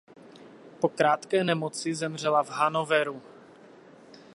Po krátké nemoci zemřela v Hannoveru.